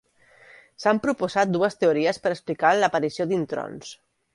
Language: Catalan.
S'han proposat dues teories per explicar l'aparició d'introns.